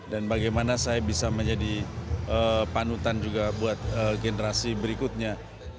dan bagaimana saya bisa menjadi panutan juga buat generasi berikutnya